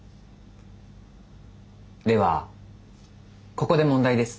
ではここで問題です。